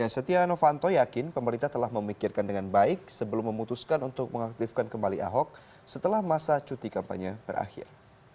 setia novanto yakin pemerintah telah memikirkan dengan baik sebelum memutuskan untuk mengaktifkan kembali ahok setelah masa cuti kampanye berakhir